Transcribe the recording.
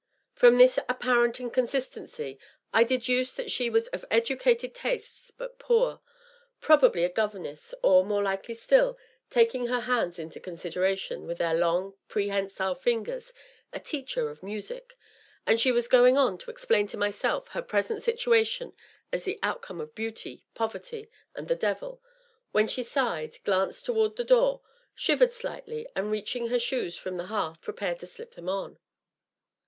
From this apparent inconsistency I deduced that she was of educated tastes, but poor probably a governess, or, more likely still, taking her hands into consideration, with their long, prehensile fingers, a teacher of music, and was going on to explain to myself her present situation as the outcome of Beauty, Poverty, and the Devil, when she sighed, glanced toward the door, shivered slightly, and reaching her shoes from the hearth prepared to slip them on.